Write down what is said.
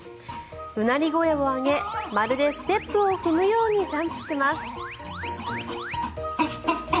うなり声を上げまるでステップを踏むようにジャンプします。